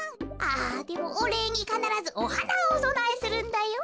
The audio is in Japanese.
あでもおれいにかならずおはなをおそなえするんだよ。